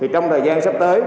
trong thời gian sắp tới